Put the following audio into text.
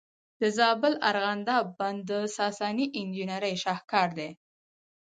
د زابل ارغنداب بند د ساساني انجینرۍ شاهکار دی